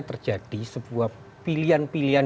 terjadi sebuah pilihan pilihan